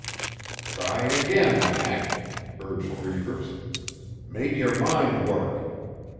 "Try again, Mac," urged Reivers. "Make your mind work.